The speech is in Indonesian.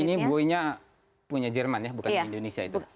ini buoynya punya jerman ya bukan indonesia itu